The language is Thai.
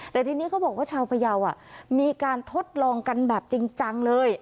แต่ทีนี้เขาบอกว่าชาวพยาวมีการทดลองกันแบบจริงจังเลย